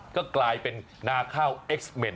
ก็กลายเป็นนาข้าวเอ็กซ์เมน